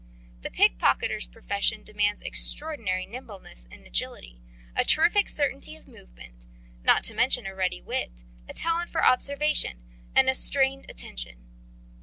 The pickpockets' profession demands extraordinary nimbleness and agility, a terrific certainty of movement, not to mention a ready wit, a talent for observation and strained attention.